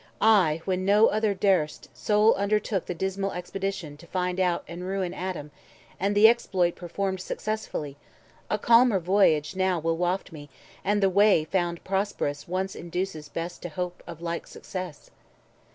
I, when no other durst, sole undertook 100 The dismal expedition to find out And ruin Adam, and the exploit performed Successfully: a calmer voyage now Will waft me; and the way found prosperous once Induces best to hope of like success."